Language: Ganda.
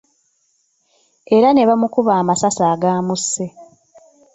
Era ne bamukuba amasasi agamusse.